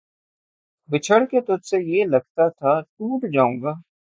بچھڑ کے تجھ سے یہ لگتا تھا ٹوٹ جاؤں گا